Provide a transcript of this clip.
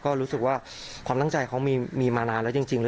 ก็รู้สึกว่าความตั้งใจเขามีมานานแล้วจริง